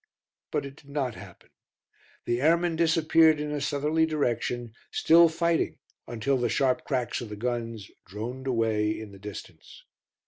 But it did not happen. The airmen disappeared in a southerly direction, still fighting until the sharp cracks of the guns droned away in the distance.